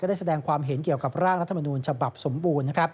ได้แสดงความเห็นเกี่ยวกับร่างรัฐมนูญฉบับสมบูรณ์